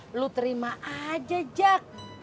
lu terima aja jak